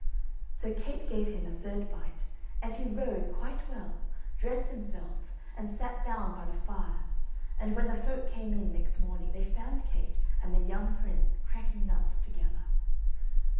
So Kate gave him a third bite, and he rose quite well, dressed himself, and sat down by the fire, and when the folk came in next morning they found Kate and the young prince cracking nuts together.